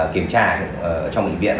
kiểm tra trong bệnh viện